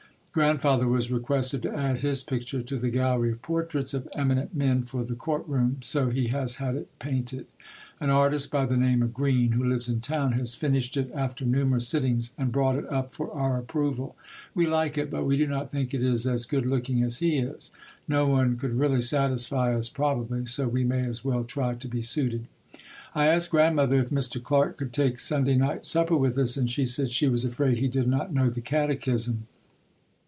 Grandfather was requested to add his picture to the gallery of portraits of eminent men for the Court Room, so he has had it painted. An artist by the name of Green, who lives in town, has finished it after numerous sittings and brought it up for our approval. We like it but we do not think it is as good looking as he is. No one could really satisfy us probably, so we may as well try to be suited. I asked Grandmother if Mr. Clarke could take Sunday night supper with us and she said she was afraid he did not know the catechism.